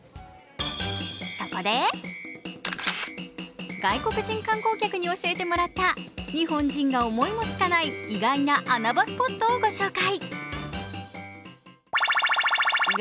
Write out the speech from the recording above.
そこで外国人観光客に教えてもらった日本人が思いもつかない意外な穴場スポットをご紹介。